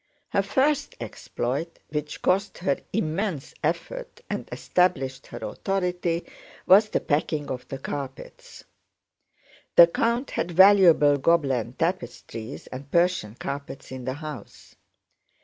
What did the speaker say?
Her first exploit, which cost her immense effort and established her authority, was the packing of the carpets. The count had valuable Gobelin tapestries and Persian carpets in the house.